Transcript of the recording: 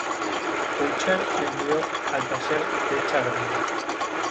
Boucher le envió al taller de Chardin.